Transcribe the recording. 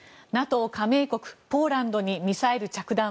加盟国ポーランドにミサイル着弾。